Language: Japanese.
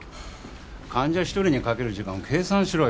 患者一人にかける時間を計算しろよ。